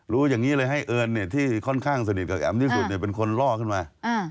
รู้อย่างนี้เลยให้เอิญที่ค่อนข้างสนิทกับแอมที่สุดเป็นคนล่อขึ้นมา